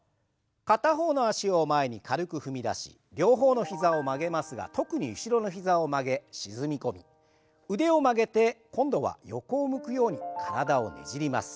片方の脚を前に軽く踏み出し両方の膝を曲げますが特に後ろの膝を曲げ沈み込み腕を曲げて今度は横を向くように体をねじります。